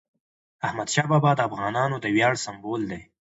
احمدشاه بابا د افغانانو د ویاړ سمبول دی.